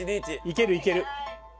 いけるいける。